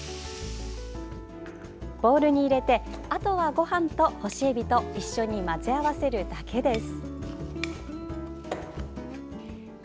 ボウルに入れてあとはごはんと干しえびと一緒に混ぜ合わせるだけです。